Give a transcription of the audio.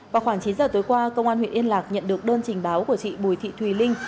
vào khoảng chín giờ tối qua công an huyện yên lạc nhận được đơn trình báo của chị bùi thị thùy linh